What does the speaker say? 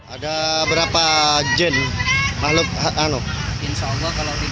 itu mengganggu atau bagaimana itu